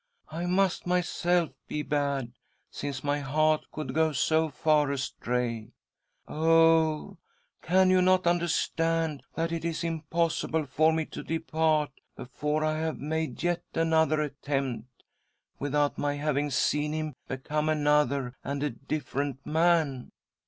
I must myself be bad, since my heart could go so far astray. Oh! can • you not understand that it is impossible for me to depart, before I have made yet another attempt, without my having seen him become another and a different man